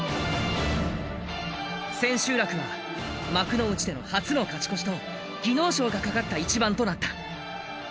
千秋楽は幕内での初の勝ち越しと技能賞がかかった一番となった。